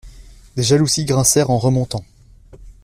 Des jalousies grincèrent en remontant.